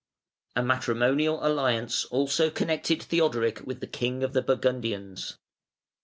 A matrimonial alliance also connected Theodoric with the king of the Burgundians.